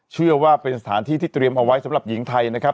เชื่อว่าเป็นสถานที่ที่เตรียมเอาไว้สำหรับหญิงไทยนะครับ